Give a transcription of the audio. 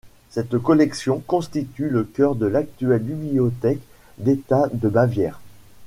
Cette collection constitue le cœur de l'actuelle bibliothèque d'État de Bavière.